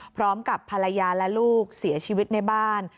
พร้อมกับภรรยาและลูกเสียชีวิตในบ้าน